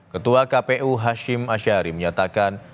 ketua kpu hashim ashari menyatakan